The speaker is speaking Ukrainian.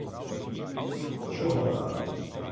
— Чого ради?